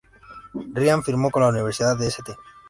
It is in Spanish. Ryan firmó con la Universidad de St.